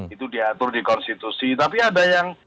itu diatur di konstitusi tapi ada yang